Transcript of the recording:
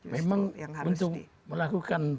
memang untuk melakukan